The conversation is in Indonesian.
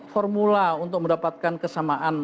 formula untuk mendapatkan kesamaan